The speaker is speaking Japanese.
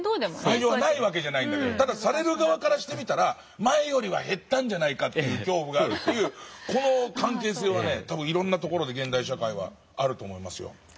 愛情がないわけじゃないんだけどただされる側からしてみたら前よりは減ったんじゃないかという恐怖があるというこの関係性は多分いろんな所で現代社会はあると思いますよ。